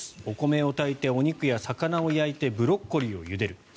お米を炊いてお肉や魚を焼いてブロッコリーをゆでる。